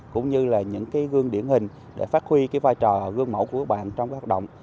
cũng như là những gương điển hình để phát huy vai trò gương mẫu của các bạn trong các hoạt động